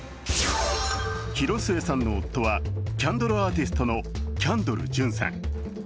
広末さんの夫はキャンドルアーティストのキャンドル・ジュンさん。